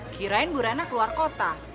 kirain bu rana keluar kota